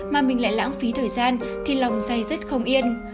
mà mình lại lãng phí thời gian thì lòng giày rất không yên